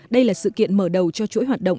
đây là sự kiện mở đầu cho chuỗi hoạt động